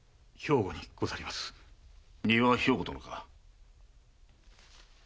丹羽兵庫殿か。